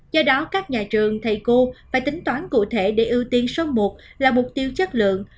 do đó các nhà trường thầy cô phải tính toán cụ thể để ưu tiên số một là mục tiêu chất lượng